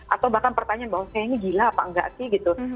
atau bahkan pertanyaan bahwa saya ini gila apa enggak sih gitu